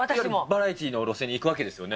バラエティの路線に行くわけですよね。